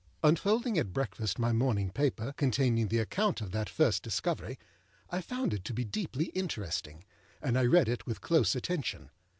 Unfolding at breakfast my morning paper, containing the account of that first discovery, I found it to be deeply interesting, and I read it with close attention.